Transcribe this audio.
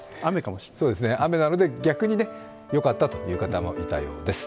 雨なので、逆によかったという方もいたようです。